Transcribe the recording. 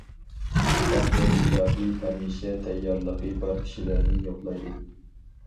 تەقدىر ئىلاھى ھەمىشە تەييارلىقى بار كىشىلەرنى يوقلايدۇ.